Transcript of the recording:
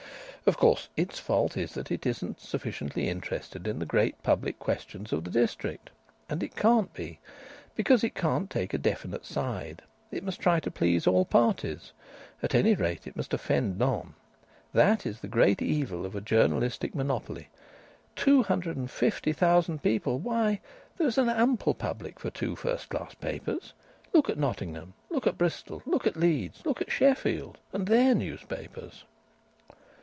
"Of course its fault is that it isn't sufficiently interested in the great public questions of the district. And it can't be. Because it can't take a definite side. It must try to please all parties. At any rate it must offend none. That is the great evil of a journalistic monopoly.... Two hundred and fifty thousand people why! there is an ample public for two first class papers. Look at Nottingham! Look at Bristol! Look at Leeds! Look at Sheffield!... and their newspapers."